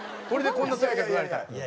これでこんなとやかく言われたら。